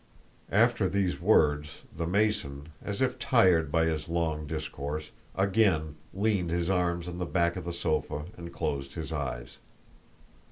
After these words, the Mason, as if tired by his long discourse, again leaned his arms on the back of the sofa and closed his eyes.